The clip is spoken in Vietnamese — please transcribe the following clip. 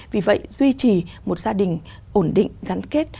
vì vậy duy trì một gia đình ổn định gắn kết